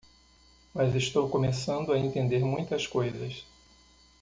Mas estou começando a entender muitas coisas.